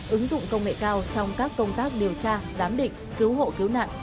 ứng dụng công nghệ cao trong các công tác điều tra giám định cứu hộ cứu nạn